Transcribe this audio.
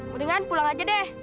mendingan pulang aja deh